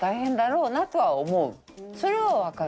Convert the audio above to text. それはわかる。